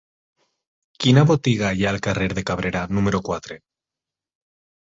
Quina botiga hi ha al carrer de Cabrera número quatre?